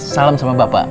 salam sama bapak